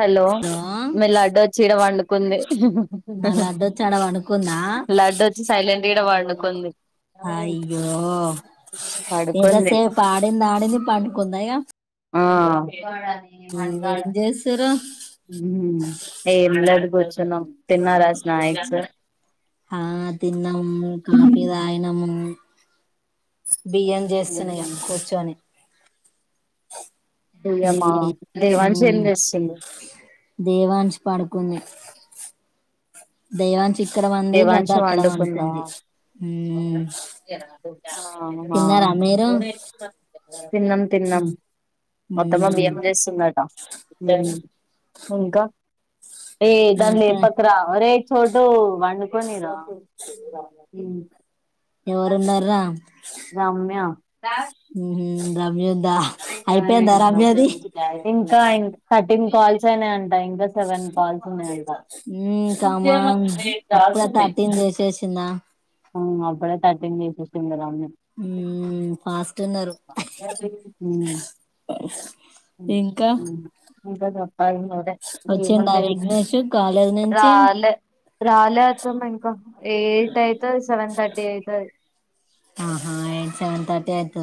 Hello మీ లడ్డు వచ్చి ఈడ పడుకుంది మా లడ్డు వచ్చాడ పడుకుందా లడ్డు వచ్చి సైలెంట్గా ఈడ పడుకుంది అయ్యో పడుకుంది ఎంతసేపు ఆడింది ఆడింది పండుకుందా ఇక ఆ ఏం చేస్తురూ హ్మ్ ఏం లేదు కూర్చున్నాం. తిన్నారా స్నాక్స్ ఆ తిన్నాము కాఫీ [inaudible] బియ్యం చేస్తున్న ఇగ కూర్చొని ఇయమ్మా దేవాన్షి ఏం మ్ చేస్తుంది దేవన్ష్ పడుకుంది. దేవాన్ష్ ఇక్కడ పంది లడ్డు అక్కడ వండుకుంది. ఆ హా తిన్నారా మీరు తిన్నం తిన్నం. మా అత్తమ్మ ఉమ్, బియ్యం చేస్తుందట ఇంకా ఏ దాన్ ఇంకా లేపకురా ఒరేయ్ చోటు వండుకొనిరా ఎవర్రున్నరా రమ్య మ్ హ్ [unintelligible] దా అయిపోయిందా రమ్యది. ఇంకా ఇన్ థర్టీన్ కాల్స్ అయినయంట ఇంకా సెవెన్ కాల్స్ ఉన్నాయ మ్ కమాన్ అప్పుడే థర్టీన్ చేసేసిందా అవును అప్పుడే తర్టీన్ చేసేసింది రమ్య మ్ ఫాస్ట్ ఉన్నరు. ఉమ్ ఇంకా వచ్చిండా [unintelligible] విఘ్నేష్ కాలేజ్ నుంచి రాలే రాలే అత్తమ్మ ఇంకా ఎయిట్ అయితది సెవెన్ థర్టీ అయితది. ఆహా హా ఎయిట్ సెవెన్ థర్టీ ఎయిట్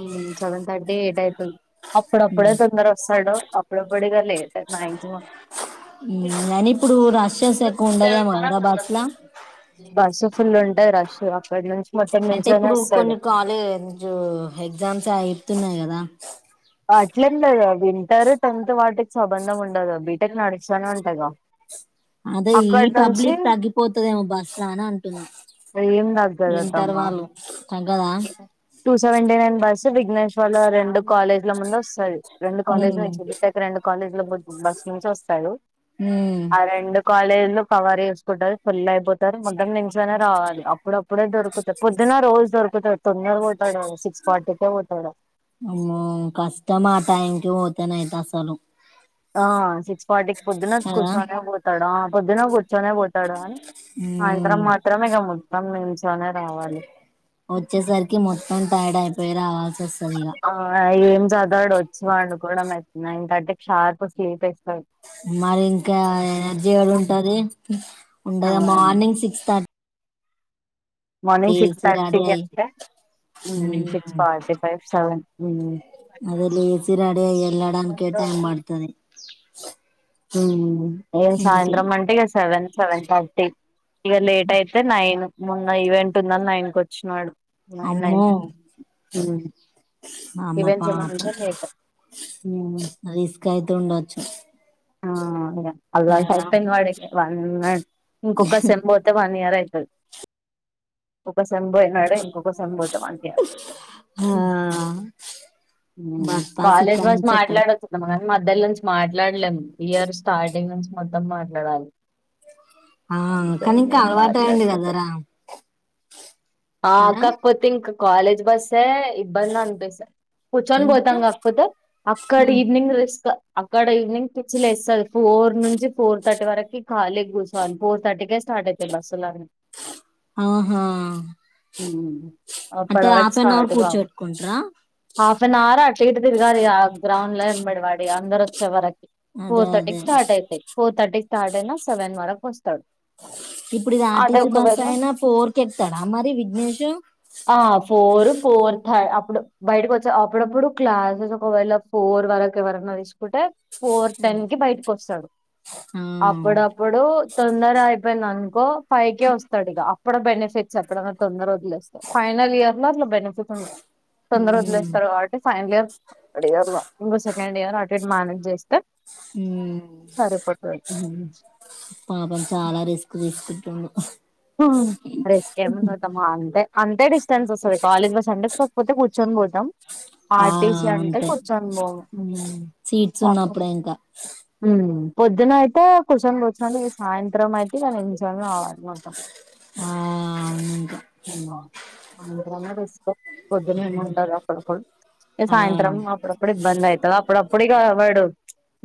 మ్ సెవెన్ థర్టీ అదే ఎయిట్ అయితుంద్ అప్పుడప్పుడే తొందర వస్తాడు అప్పుడప్పుడు ఇగ లేట్ మాక్సిమం కానీ ఇప్పుడు రషెస్ ఎక్కువ ఉండదేమో హైదరాబాద్ లా ఫుల్లు ఉంటాయి రష్ అక్కడ్ నుం అంటే ఇప్పుడు కొన్ని కాలేజ్ ఎగ్జామ్స్ అయితున్నయి కదా ఆ అట్లేం లేదు వింటర్ టెన్త్ వాటిక్ సంబంధం ఉండదు. బీటెక్ నడుస్తనే ఉంటద్గా అదే ఈ పబ్లిక్ తగ్గిపోతదేమో బస్ అని అంటుంన్న ఏం ఇంటర్ తగ్గదటమ్మా వాళ్ళు తగ్గదా two seventy nine bus Vigneshwar Vignesh వాళ్ళ రెండు కాలేజీల ముందు వస్తుంది రెండు కాలేజీలు ఉమ్ వచ్చిక రెండు కాలేజీల బస్ నుంచి వస్తాడు ఉమ్ ఆ రెండు కాలేజీ లో కవర్ చేసుకుంటారు ఫుల్ అయిపోతారు మొత్తం నించైనా రావాలి అప్పుడప్పుడే దొరుకుతంది పొద్దున రోజు [unintelligible] తొందరగా పోతారు సిక్స్ ఫోర్టీ పోతాడు అమ్మో కష్టం మాటా ఇంటికి పోతనైతే అసలు ఆ సిక్స్ ఫార్టీ పొద్దున కదా కూర్చుని పోతాడు ఆ.. పొద్దున కూర్చొనే పోతాడు అని ఉమ్ సాయంత్రమే మాత్రమే గమ్మును కమీన్స్ [unintelligible] వచ్చేసరికి మొత్తం టైడ్ అయిపోయి రా ఆ ఐ [unintelligible] డు వచ్చేవాడు కూడా మె నైన్ థర్టీకి షార్ప్ స్లీప్ వే మరి ఇంకా ఎనర్జీ ఉంటది ఉంటది morning six thirty morning six లేచి థర్టీ రెడీ అయి అంటే six um forty five seven ఉ అదే లిసి రెడీ అయ్యి వెళ్లడానికి టైం పడతది స ఉమ్ ఏ సాయంత్రం అంటే ఇగ సెవెన్ సెవెన్ థర్టీ ఇగ లేట్ అయితే నైన్ మొన్న ఈవెంట్ ఉందని నైన్ కి వచ్చినాడు అమ్మో [unintelligible] అమ్మ ఈవెంట్స్ ఏమన్నా పాపం ఉంటే లేట్ హ్మ్. రిస్క్యితే ఉండ వచ్చు ఆ అదా అల్లాంటి అయిపోయింది వాడికి వన్ అండ్ ఇంకా ఒక్క సెమ్ పోతే వన్ ఇయర్ అయి ఓకే ఇసం పోయినాడ ఇంకొక పోతాం ఆ [unintelligible] హు బస్ పాస్ కాలేజ్ ఇక్కడ బస్ నుంచి ఎక్కడికి మాట్లాడచ్చు మధ్యలో నుంచి మాట్లాడలేము ఇయర్ స్టార్టింగ్ నుంచి మొత్తం మాట్లాడాలి ఆ అందుకే కానీ ఇంకా ఏం అలవాటు అయింది మాట్లాడతలే కదార ఆ కక్పోతింక్ కాలేజ్ బస్సే ఇబ్బంది అనిపిస్ కూర్చొని పోతాం ఎందుకు కాకపోతే అక్కడ ఉమ్ ఈవినింగ్ రిస్క్ అక్కడ ఈవినింగ్ పిచ్చి లేస్తది ఫోర్ నుంచి ఫోర్ థర్టీ వరకి ఖాళీ కూర్చోవాలి ఫోర్ థర్టీకే స్టార్ట్ అవుతాయి బస్సులన్ని ఆహా అంటే అప్పటి వరకు హాఫ్ అన్ అవర్ స్టార్ట్ కావు కూర్చోబెట్టుకుంట్ర హాఫ్ అన్ అవర్ అట్ ఇటు తిరగాలి ఆ గ్రౌండ్ల ఎంబడి పడి అందరు వచ్చే వరక్ అదే ఫోర్ అదే తర్టీకి స్టార్ట్ అయితాయ్ ఫోర్ తర్టీకి స్టార్ట్ అయిన సెవెన్ వరకొస్తాడు ఇప్పుడు ఇది ఆర్టీసీ బస్ అయిన ఫోర్క్ ఎక్కుతారా మరి విగ్నేషు ఫోర్త్ థర్ అప్పుడు బయటకి వచ్ అప్పుడప్పుడు క్లాసెస్ ఒకవేళ ఫోర్ వరకి ఎవరనా తీసుకుంటే ఫోర్ టెన్ కి బయటి వస్తాడు ఆ అప్పుడప్పుడు తొందర అయిపోయింది అనుకో ఫైవ్కే వస్తాడు ఇగ ప్పుడు బెనిఫిట్స్ ఎప్పుడన తొందర వదిలేస్తే ఫైనల్ ఇయర్ లో అట్లా బెనిఫిట్ ఉం ఉమ్ తర్వాటి ఫైనల్ ఇయర్ వాడు ఇయర్ లో ఇంకో సెకండ్ ఇయర్ అటు ఇటు మేనేజ్ చేస్తే ఉమ్ సరిపోతది. పాపం చాలా రిస్క్ తీసుకుంటుండు రేస్కే ముంది అత్తమ్మ అంతే అంతే డిస్టెన్స్ వస్తది కాలేజ్ బస్ అంటే కాకపోతే కూర్చొని పోతాం ఆ ఆర్టీసి అంటే అంతే కొంచెం ఉమ్ సీట్స్ ఉన్నప్పుడే ఇంకా [inaudible] ఉమ్ పొద్దున ఐతే కుస్సోన్ గుచ్చోని ఈ సాయంత్రమైతె ఇగ నిజ్జంగా. [unintelligible] ఆ అవును ఇంకా ఉమ్ అంతన రిస్కే పొద్దున ఏముండదు అప్పుడప్పుడు ఇగ ఆ సాయంత్రం అప్పుడప్పుడు ఇబ్బంది అయ్ అప్పుడప్పుడు ఇగ వాడు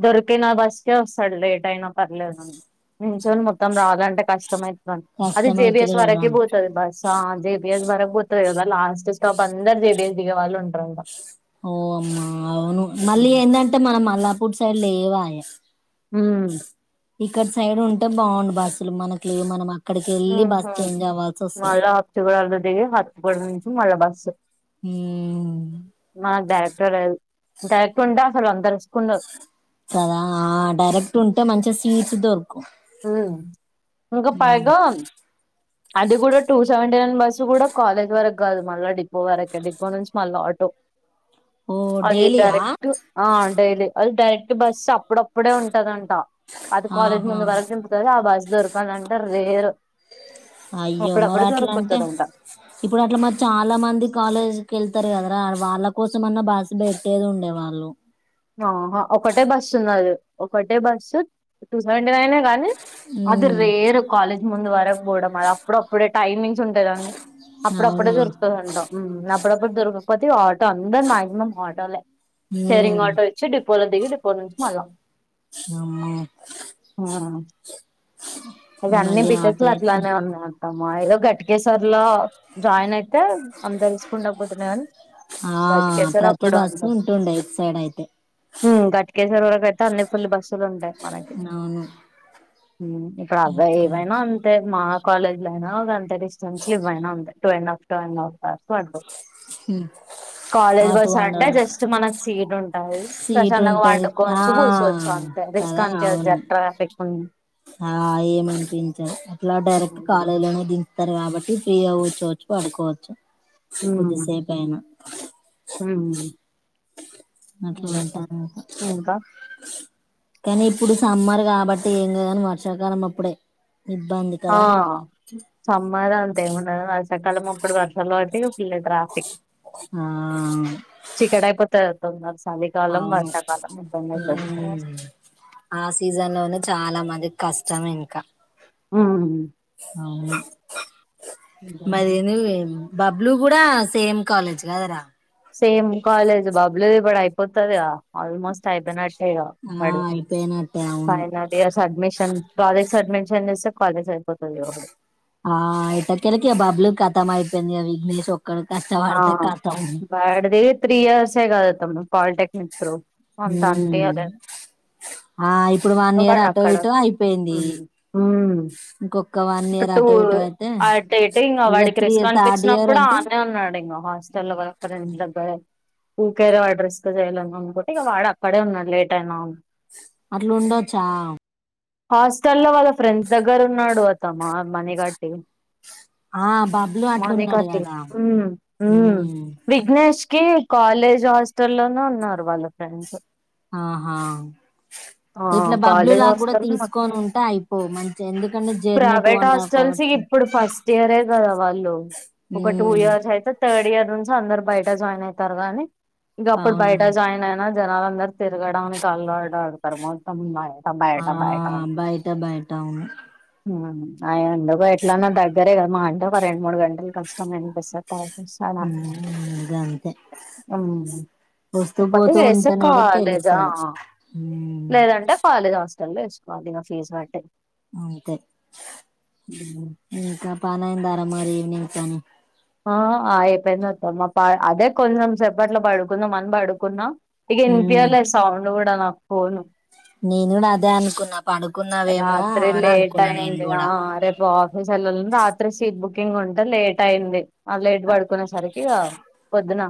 దొరికిన బస్కే వస్తాడు లేట్ అయినా పర్లేదని నించొని మొత్తం రాలంటే కష్టమవుతది అది జేబిఎస్ కష్టమైతది కదా వరకే పోతది బస్ ఆ జేపిఎస్ వరకి పోతది కదా లాస్ట్ స్టాప్ అందరు జేపీఎస్ దిగే వాళ్ళు ఉంటరు ఇంక ఓ అమ్మా అవును మళ్ళీ ఏందంటే మనం మల్లా పు సలేేవాయే ఉమ్ ఇక్కడ సైడుంటె బావుండు బస్సులు మనక్లేవ్ మనమ. ఊహు మళ్ళా హచ్చ్ గూడల్లొ దిగి హచ్చ్ గోడ మించి మళ్ళ బస్సు ఉమ్, మా డా. [unintelligible] డైరెక్టుంటె అసలంత రిస్కుండదు. కదా డైరెక్టుంటె మంచెస్ ఈచ్చ్ దొర్. ఉమ్ ఇంగ పైగా. అది గూడా టూ సెవెంటీ నైన్ బస్సు గూడా కాలేజ్ వరక్ గాదు మళ్ళా డిపో వరకే డిపో నుంచి మళ్ళా ఆటో. ఓ అది డైలీయా డైరెక్ట్ ఆ డైలీ అది డైరె. అంటె బస్సాప్. ప్పుడప్పుడే ఉంటదంట అది కాలేజ్ ఆహా ముందు వరకు దింపుతాది ఆ బస్ దొర్కాల్నంటె రేర్. అయ్యో మరట్లంటె ఇప్పుడట్ల మరి చాలా మంది కాలేజ్కెళ్తర్ గదరా. వాళ్ళ కోసమన్న బాసు బెట్టేదుండె వాళ్ళు. ఆహ ఒకటే బస్సున్నది ఒకటే బస్సు టూ సెవెంటీ నైనే గానీ. అది ఉమ్, రేరు కాలేజ్ ముందు వరక్ బోడమ్ అదప్పుడప్పుడె. టైమింగ్సుంటాయ్ దాన్ని. అప్పుడప్పుడే అవునా దొర్క్తదంట ఉమ్ అప్పుడప్పుడు దొరక పతి ఆట అందర్ మాక్సిమమ్ ఆటోలె. ఊమ్. పైచ్చి డిపోలో దిగి డిపో నుంచి మళ్ళ అమ్మో ఉమ్ అదె అన్ని మళ్ళీ ఆటో బీటెక్లు ఎక్కి అట్లానే ఉన్నాయంట. మా ఏదో గట్ కేసర్ లో జాయినైతె అంత రుస్కుండకపోతున్న గాని. ఆ ప్రతి బస్సు ఉంటుండం ఇట్ సైడైతె. ఉమ్ గట్ కేసర్ వరకైతె అన్ని ఫుల్ల్ బస్సులుంటాయ్. ఔను ఉమ్ ఇప్పుడర్దవేవైనా అంతె మా. కాలేజ్లో ఐనా గంతె డిస్టెన్స్ ఇవ్వైనా అంతె two and half two and half hours బడ్దు. ఆ కాలేజ్ టూ అండ్ బస్సంటె హాఫ్ జస్ట్ మనం సీట్. టాయి సీట్ ప్రశాంతంగ ఉంటది ఆ వండుకోచ్చు గూసోచ్చంతె రిస్క్ కదా అంటె అవును జట్ర. [unintelligible] ఆ ఏమనిపించద్ అట్లా డైరెక్ట్ కాలేజ్లోనే దించుతరి కాబ. [unintelligible] ఫ్రీ అవ్వొచ్చు వొచ్చు పనుకోవచ్చు. కొద్దిసేపైనా. ఊ అట్లా ఉంటారు ఇంకా కానీ ఇప్పుడు సమ్మర్ కాబట్టి ఏం గాదనీ వర్షాకాలం అప్పుడే ఇబ్బంది ఆ కదా సమ్మర్ అంతేముందడు వా కాలం అప్పుడు వర్షాలు పడితే ఇంకా ఫుల్లు ట్రాఫిక్ ఆ అవునా స్ అవును ఊఆ సీజన్ లోనే చాలా మంది కష్ట ష్టమే ఇంకా అవును మరి నువ్వే బబ్లు కూడా సేమ్ కాలేజ్ కద రా సేమ్ కాలేజ్ బబ్లు ది కూడా అయిపోతదిగ ఆల్మోస్ట్ అయిపోయినట్ ట్ ఇగ ఆ వాడు అయిపోయినట్టే అవును ఫైన డే ఇంకా సఅడ్మిషన్ ప్రాజెక్ట్స్ సాడ్మిషన్ చేస్తే కాలేజ్ అయిపోతది ఇగ వాడు ఆ అయితే కెళ్ళి బబ్లు ఖాతంపోయింది విఘ్నేష్ ఒక్కడు ఆ కష్టపడితే కతం బడది తీయర్స్ సే కాదు అత్తమ్మ పాలిటెక్నిక్ త్రూ అంట అంటే ఉమ్ అదే ఆ ఇప్పుడు వన్ ఇయర్ చవాడు అటో అక్కడ ఇటో అయిపోయింది ఉమ్ ఇంకొక వన్ ఇప్పు ఇయర్ టూ అటో ఇటో అయితే టే టింగ్ ఇక వాడికి త్రీ రిస్క్ థర్డ్ ఇయర్ అనిపించినప్పుడు ఆ అంటే న్నే ఉన్నాడు హాస్టల్లో లో ఫ్రెండ్స్ దగ్గర ఊకేర వా డ్రెస్ చేయాలన్నా అనుకుంటే ఇక వాడు అక్కడే ఉన్నా లేట్ అయినా అట్ల ఉండొచ్చా హాస్టల్ లో వాళ్ళ ఫ్రెండ్స్ దగ్గర ఉన్నాడు అత్తమ్మా మనీ గట్టి ఆ బబ్లు అట్లున్నాడు గదా ఉమ్ ఉమ్ విఘ్నేష్ కి కాలేజ్ హాస్టల్ లోనే ఉన్నారు వాళ్ళ ఫ్రెండ్స్ ఆహా ఆ ఇట్లా బబ్లు కాలేజ్ లా కూడా హాస్టల్లో తీసుకొని ఉంటే అయిపోవు మంచిగా ఎందుకంే journey two private and half hostels hours ఇప్పుడు ఫస్ట్ ఇయరే కదా వాళ్ళు ఒక ఒక టూ ఉమ్ ఇయర్స్ అతే నుంచి అందరు బయట జాయిన్ అవుతారు గానీ ఇంక అప్పుడు అవును బయట జాయిన్ అయినా జనాలందరుూ తిరగడానికి కాల్లాడాారు తర్మాతంన్నాయ ఆ బాయటా బాయట అవును అయ ఎందుగ ఎట్లన్నా దగ్గరే కదా మా అంటే ఒక రెండు మూడు గంటలు కష్టం అనిపిస్తేస్తాయి వస్తాడా ఇగ అంతే ఉమ్ వస్తూ తతి పోతూ వస్తే ఉంటేనే కూడా కాలేజా తెలుస్తది ఉమ్, లేదంటే కాలేజ వస్త హాస్టల్ లో వేసుకోవాలి ఇంకా ఫీస్ బట్టి అంతే ఉమ్. ఇకా పని అయ్యిందా ఆ మరి నిమిషం ఆ అయిపోయింది అత్తమ్మ ప అదే కొంచెం సేపట్లో పడుకుందాం మను పడుకున్నా ఇగ ఉమ్, ఇనిపియాలే సౌండ్ కూడా నా పోను నేను కూడా అదే అనుకున్నా పడుకున్నావేమో రాత్రి అని అనుకున్నా నేను లేట్యంది ఆ కూడా అరేప్పు ఆఫీస్ అలా రాత్రి సీట్ బుక్ బుకింగ్ ఉంటే లేట్ అయింది లేట్ పడుకునే సరికి పొద్దున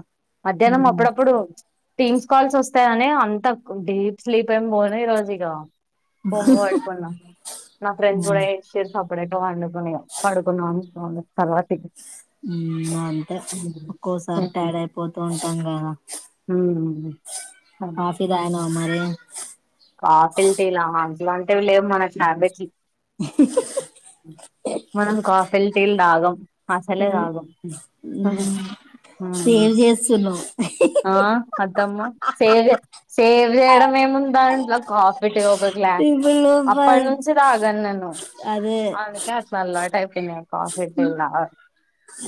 మధ్యాహ్నం ఉమ్, అప్పుడప్పుడు టీమ్స్ కాల్స్ ఒస్తాయని అంత డీప్ స్లీప్ ఏం పోలే ఈ రోజు ఇగ మా ఫ్రెండ్స్ ఉమ్, కూడాషేర్ సప్పుడేక పడుకున్నా ఇగ తర్వతికి అంటే ఒక్కోసారి ఉమ్ టైడ్ అయిపోతూ ఉంటాం కదా ఉమ్ కాఫీ తాగినవ మరి కాఫీలు టీ లా అట్లా వి లెవ్ మనస్బ మనం కాఫెల్టీల్ తగం అసలేతగం సేవ్ చేస్తున్నాం ఆ అత్తమ్మ సేవ్ సేవ్ చేయడం ఏము ఉందాంట్లో కాఫి కో గ్లాస్ ఇప్పుడు అప్పటి ఫస్ట్ నుంచి తాగను నేను అదే అందుకే అట్లా ఆళ్వాటై చి నేను కాఫీ తాగ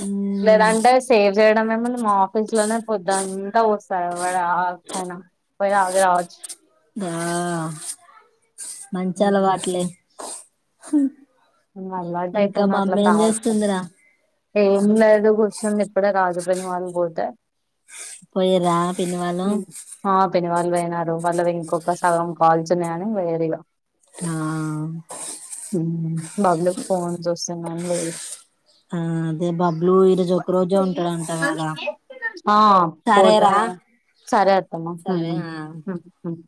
ఉమ్, లేదంటే సేమ్ చేయడం ఏమంది మా ఆఫీస్ లోనే పొద్దుంతా వస్తయి వాడు ఆ పైన పోయి తాగి రావచ్చు ఆ మంచాల వాటలే హ హ్మ అలవాటు అయిపోంది అట్లా తాగుత చేస్తుందిరా ఇంగ ఇప్పుడే రాకపోయిన వాళ్ళు పోతే పోయిర్ర పిన్నీ వాళ్ళు హ్మ్. ఆ పిన్ని వాళ్ళు పోయినారు వాళ్ళవి ఇంకొక సగం కాల్స్ ఉన్నవి అని పాయిర్రు ఇగ ఆ హు బాబులు ఫోన్స్ ఇస్తున్నాయి అని ఆ అదే బబ్లు ఈరోజు ఒక రోజే పోయిలు ఉంటాడంట కదా ఆ పోత సరేరా సరే అత్తమ్మ హ్మ్ సరే ఆ హ్మ్